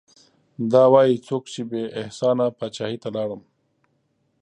دا وايي څوک چې بې احسانه پاچاهي ته لاړم